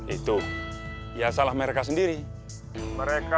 itu sebelah boleh di pilih